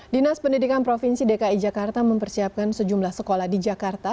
dinas pendidikan provinsi dki jakarta mempersiapkan sejumlah sekolah di jakarta